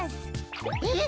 えっ？